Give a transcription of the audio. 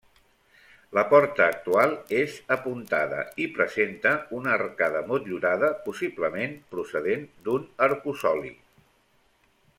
La porta actual és apuntada, i presenta una arcada motllurada, possiblement procedent d'un arcosoli.